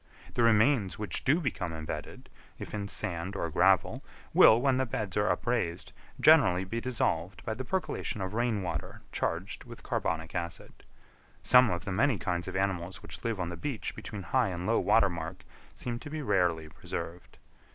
The remains which do become embedded, if in sand or gravel, will, when the beds are upraised, generally be dissolved by the percolation of rain water charged with carbonic acid. Some of the many kinds of animals which live on the beach between high and low water mark seem to be rarely preserved.